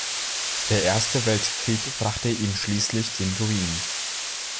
Der Erste Weltkrieg brachte ihm schließlich den Ruin.